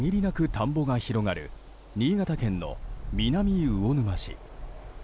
田んぼが広がる新潟県の南魚沼市。